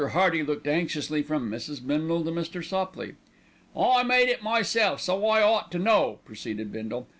Hearty looked anxiously from Mrs. Bindle to Mr. Sopley. "I made it myself, so I ought to know," proceeded Bindle.